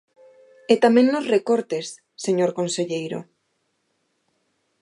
E tamén nos recortes, señor conselleiro.